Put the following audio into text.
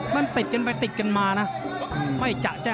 มันติดกันไปติดกันมานะ